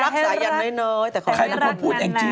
รักน้อยน้อยรักสายันน้อยน้อยแต่ใครเป็นคนพูดเองจิ